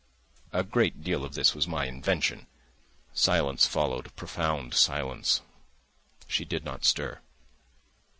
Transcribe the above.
A great deal of this was my invention. Silence followed, profound silence. She did not stir.